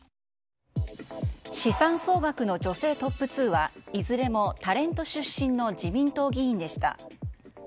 資産総額の女性トップ２はいずれもタレント出身の自民党議員でした。